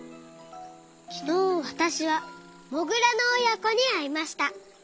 きのうわたしはモグラのおやこにあいました。